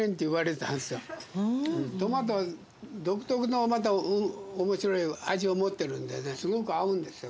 トマト独特のまたおもしろい味を持ってるんでねすごく合うんですよ。